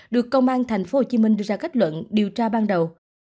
được công an tp hcm đưa ra kết luận điều tra ban đầu